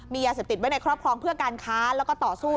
มียาเสพติดไว้ในครอบครองเพื่อการค้าแล้วก็ต่อสู้